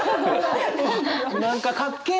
何かかっけえ！